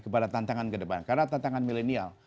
kepada tantangan ke depan karena tantangan milenial